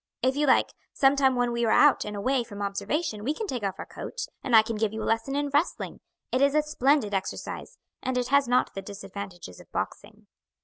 If you like; sometime when we are out and away from observation we can take off our coats, and I can give you a lesson in wrestling; it is a splendid exercise, and it has not the disadvantages of boxing."